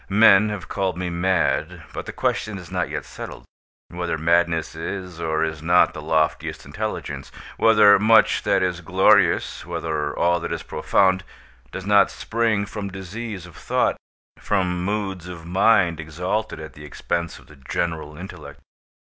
Men have called me mad; but the question is not yet settled, whether madness is or is not the loftiest intelligence—whether much that is glorious—whether all that is profound—does not spring from disease of thought—from moods of mind exalted at the expense of the general intellect.